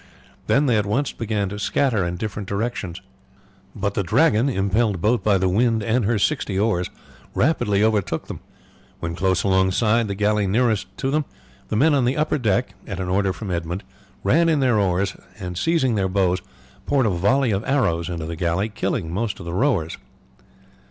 Then they at once began to scatter in different directions; but the Dragon, impelled both by the wind and her sixty oars, rapidly overtook them. When close alongside the galley nearest to them the men on the upper deck, at an order from Edmund, ran in their oars, and seizing their bows poured a volley of arrows into the galley, killing most of the rowers.